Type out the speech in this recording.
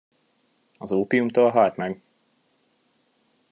Az ópiumtól halt meg?